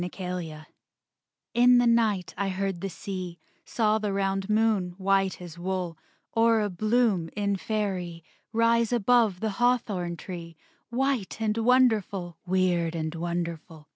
THE CHANGELING In the night I heard the sea; Saw the round moon, white as wool, Or a bloom in Faerie, Rise above the hawthorn tree, White and wonderful, Weird and wonderful.